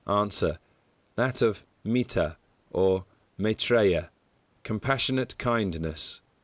That of Mitta or Maitreya compassionate kindness.